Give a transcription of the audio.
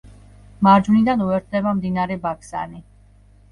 მარჯვნიდან უერთდება მდინარე ბაქსანი.